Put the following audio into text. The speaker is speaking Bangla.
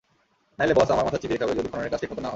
নইলে বস আমার মাথা চিবিয়ে খাবে যদি খননের কাজ ঠিকমত না হয়!